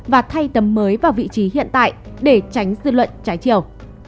và thay tầm mới vào vị trí hiện tại để tránh dư luận trái chiều